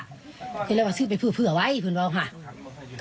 พี่อะไรว่าป๊าซื้อไปเผื่อไว้พินว่าเลยค่ะ